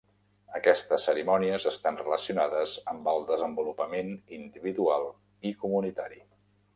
Aquestes cerimònies estan relacionades amb el desenvolupament individual i comunitari.